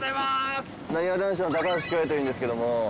なにわ男子の高橋恭平というんですけども。